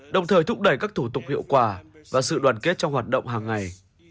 đồng thời thúc đẩy các thủ tục hiệu quả và sự đoàn kết trong hoạt động hàng ngày